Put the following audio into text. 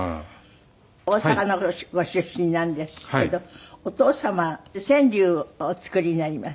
大阪のご出身なんですけどお父様川柳をお作りになります。